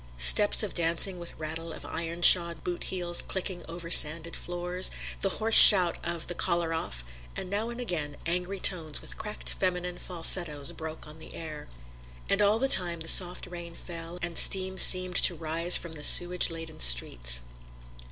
Steps of dancing with rattle of iron shod boot heels clicking over sanded floors, the hoarse shout of the "caller off," and now and again angry tones with cracked feminine falsettos broke on the air; and all the time the soft rain fell and the steam seemed to rise from the sewage laden streets.